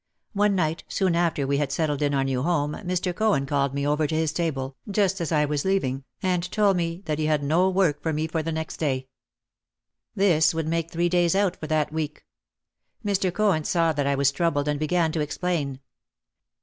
One night, soon after we had settled in our new home, Mr. Cohen called me over to his table, just as I was leaving, and told me that he had no work for me for the next day. This 156 OUT OF THE SHADOW would make three days out for that week. Mr. Cohen saw that I was troubled and began to explain.